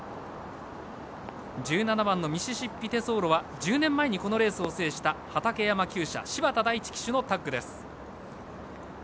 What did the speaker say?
１７番ミシシッピテソーロは１０年前に、このレースを制した畠山きゅう舎柴田大知騎手とのタッグです。